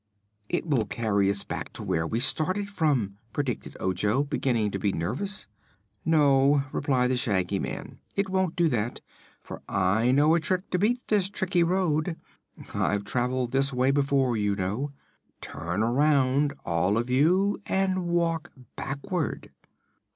"It will carry us back to where we started from," predicted Ojo, beginning to be nervous. "No," replied the Shaggy Man; "it won't do that, for I know a trick to beat this tricky road. I've traveled this way before, you know. Turn around, all of you, and walk backward."